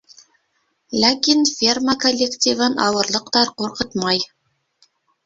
Ләкин ферма коллективын ауырлыҡтар ҡурҡытмай.